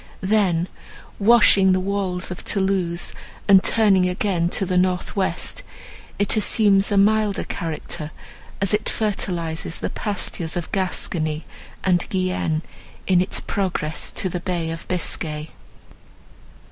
Then, washing the walls of Thoulouse, and turning again to the north west, it assumes a milder character, as it fertilizes the pastures of Gascony and Guienne, in its progress to the Bay of Biscay.